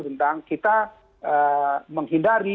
tentang kita menghindari